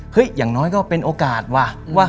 อย่างน้อยก็เป็นโอกาสว่ะ